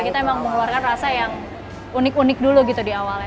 kita memang mengeluarkan rasa yang unik unik dulu gitu di awalnya